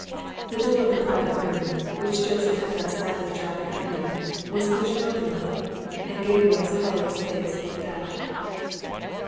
The door of the private room, which Joseph had left slightly ajar behind him, was pushed open a little, and Gabriel's colourless face looked out.